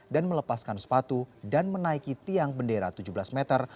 dan melepaskan sepatu dan menaiki tiang bendera tujuh belas meter